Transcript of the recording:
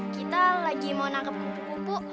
kita lagi mau nangkep kupu kupu